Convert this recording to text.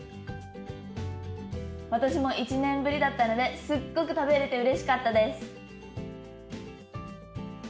私も１年ぶりだったのですっごく食べれて嬉しかったです。